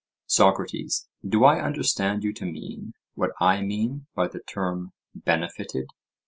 SOCRATES: Do I understand you to mean what I mean by the term "benefited"?